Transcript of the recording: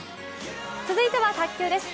続いては卓球です。